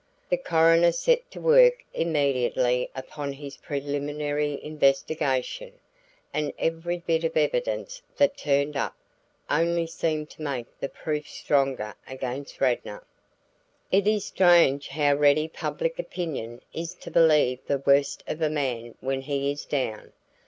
The coroner set to work immediately upon his preliminary investigation, and every bit of evidence that turned up only seemed to make the proof stronger against Radnor. It is strange how ready public opinion is to believe the worst of a man when he is down.